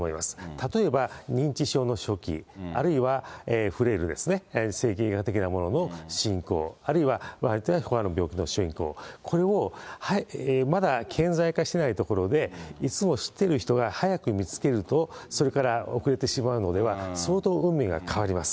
例えば、認知症の初期、あるいはフレール、てんーてきなもののしんこうあるいはがん等の病気の進行、まだ顕在化してないところでいつも知っている人は早く見つけるとそれから遅れてしまうのでは、相当運命が変わります。